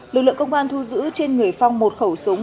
lực lượng công an thu giữ trên người phong một khẩu súng